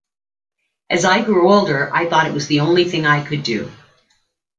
As I grew older, I thought it was the only thing I could do.